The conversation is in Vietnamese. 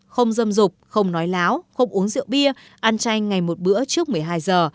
không dâm rục không nói láo không uống rượu bia ăn chay ngày một bữa trước một mươi hai giờ